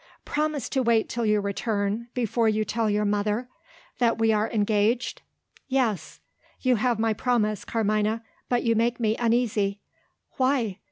"Promise to wait till you return, before you tell your mother " "That we are engaged?" "Yes." "You have my promise, Carmina; but you make me uneasy." "Why?"